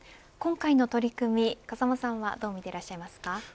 今回の取り組み、風間さんはどう見ていらっしゃいますか。